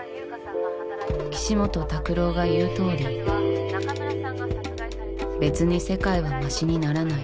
岸本拓朗が言うとおりべつに世界はましにならない。